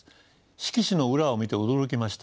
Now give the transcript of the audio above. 色紙の裏を見て驚きました。